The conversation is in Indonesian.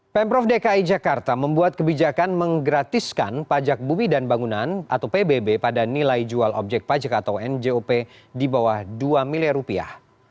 pemprov dki jakarta membuat kebijakan menggratiskan pajak bumi dan bangunan atau pbb pada nilai jual objek pajak atau njop di bawah dua miliar rupiah